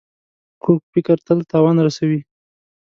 کوږ فکر تل تاوان رسوي